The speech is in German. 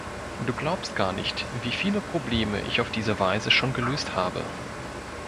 Du glaubst gar nicht, wie viele Probleme ich auf diese Weise schon gelöst habe.